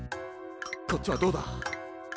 こっちはどうだ？